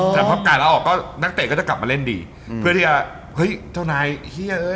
แต่พอกาดเอาออกก็นักเตะก็จะกลับมาเล่นดีเพื่อที่จะเฮ้ยเจ้านายเฮียเอ้ย